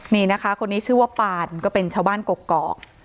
นี่นะคะคนนี้ชื่อว่าปานก็เป็นชาวบ้านกกอก